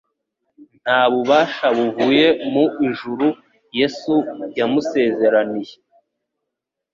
Nta bubasha buvuye mu ijuru Yesu yamusezeraniye.